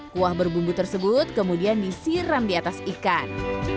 kuah berbumbu tersebut kemudian disiram di atas ikan